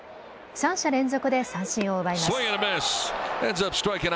３者連続で三振を奪います。